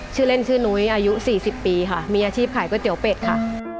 ชื่อเล่นชื่อนุ้ยอายุ๔๐ปีค่ะมีอาชีพขายก๋วยเตี๋ยวเป็ดค่ะ